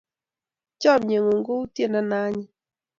Chamiengung ko u tiendo ne anyiny